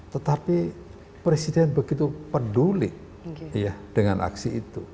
tetapi presiden begitu peduli dengan aksi itu